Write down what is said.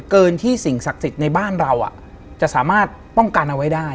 ที่สิ่งศักดิ์สิทธิ์ในบ้านเราจะสามารถป้องกันเอาไว้ได้